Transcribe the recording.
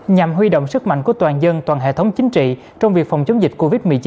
nhằm huy động sức mạnh của toàn dân toàn hệ thống chính trị trong việc phòng chống dịch covid một mươi chín